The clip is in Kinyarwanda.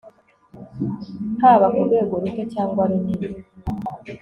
haba ku rwego ruto cyangwa runini